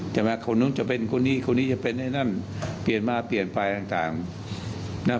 ใช่ไหมคนนู้นจะเป็นคนนี้คนนี้จะเป็นไอ้นั่นเปลี่ยนมาเปลี่ยนไปต่างนะ